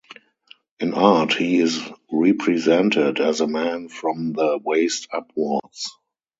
In art he is represented as a man from the waist upwards.